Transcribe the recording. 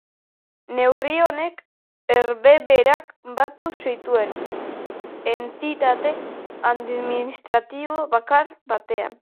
Neurri honek Herbehereak batu zituen entitate administratibo bakar batean.